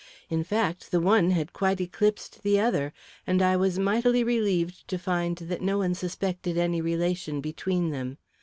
In fact, the one had quite eclipsed the other, and I was mightily relieved to find that no one suspected any relation between them.